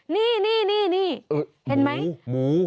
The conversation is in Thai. นี่เห็นไหมหมู